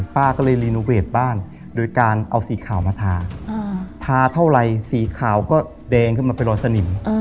ป้าก็เลยรีโนเวทบ้านโดยการเอาสีขาวมาทาทาเท่าไรสีขาวก็แดงขึ้นมาเป็นรอยสนิม